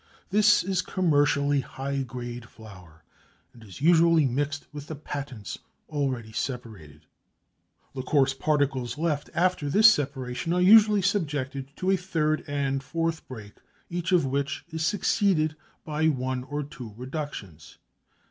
This is commercially high grade flour and is usually mixed with the patents already separated. The coarse particles left after this separation are usually subjected to a third and a fourth break, each of which is succeeded by one or two reductions.